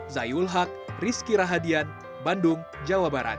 zaiul haq rizky rahadian bandung jawa barat